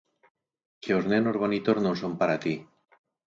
que os nenos bonitos non son para ti.